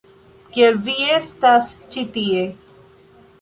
Kiel vi estas ĉi tie?